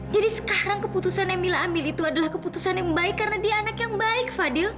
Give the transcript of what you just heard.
jadi sekarang keputusan yang mila ambil itu adalah keputusan yang baik karena dia anak yang baik fadil